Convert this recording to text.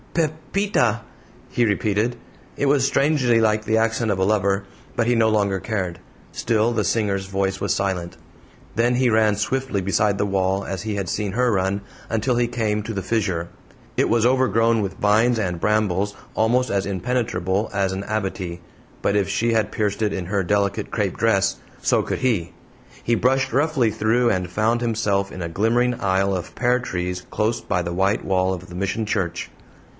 "Pepita!" he repeated; it was strangely like the accent of a lover, but he no longer cared. Still the singer's voice was silent. Then he ran swiftly beside the wall, as he had seen her run, until he came to the fissure. It was overgrown with vines and brambles almost as impenetrable as an abatis, but if she had pierced it in her delicate crape dress, so could he! He brushed roughly through, and found himself in a glimmering aisle of pear trees close by the white wall of the Mission church.